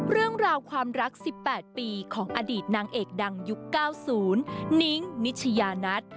เรื่องราวความรัก๑๘ปีของอดีตนางเอกดังยุค๙๐นิ้งนิชยานัท